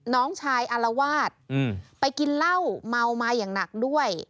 น้องชายอารวาสไปกินเหล้าเมามาอย่างหนักด้วย